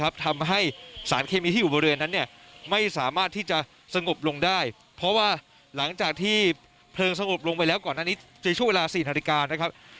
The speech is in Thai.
เพราะว่าหลังจากที่เพลิงสงบลงไปแล้วก่อนอันนี้จะช่วยช่วยเวลาสีนธรรมดิการนะครับ